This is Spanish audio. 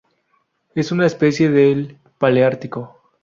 Es una especie del paleártico.